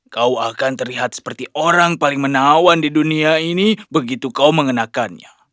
kau akan terlihat seperti orang paling menawan di dunia ini begitu kau mengenakannya